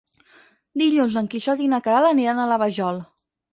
Dilluns en Quixot i na Queralt aniran a la Vajol.